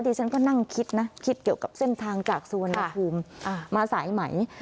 ฉันก็นั่งคิดนะคิดเกี่ยวกับเส้นทางจากสุวรรณภูมิมาสายไหม